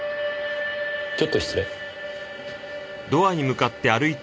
ちょっと失礼。